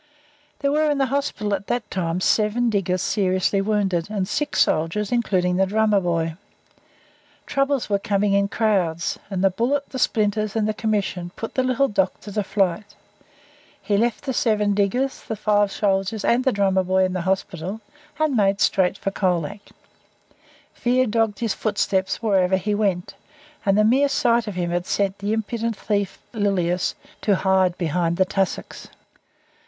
There were in the hospital at that time seven diggers seriously wounded and six soldiers, including the drummer boy. Troubles were coming in crowds, and the bullet, the splinters, and the Commission put the little doctor to flight. He left the seven diggers, the five soldiers, and the drummer boy in the hospital, and made straight for Colac. Fear dogged his footsteps wherever he went, and the mere sight of him had sent the impudent thief Lilias to hide behind the tussocks.